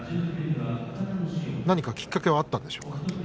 何かきっかけがあったんでしょうか？